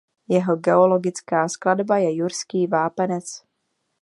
Jeho geologická skladba je jurský vápenec.